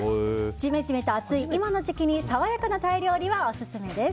ジメジメと暑い今の時期に爽やかなタイ料理はオススメです。